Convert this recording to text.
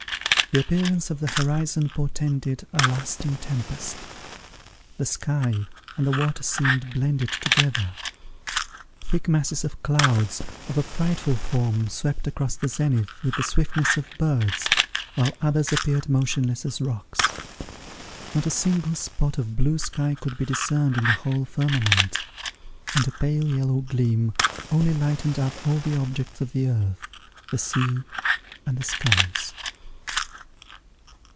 The appearance of the horizon portended a lasting tempest; the sky and the water seemed blended together. Thick masses of clouds, of a frightful form, swept across the zenith with the swiftness of birds, while others appeared motionless as rocks. Not a single spot of blue sky could be discerned in the whole firmament; and a pale yellow gleam only lightened up all the objects of the earth, the sea, and the skies.